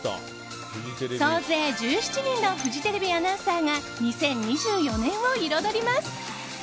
総勢１７人のフジテレビアナウンサーが２０２４年を彩ります。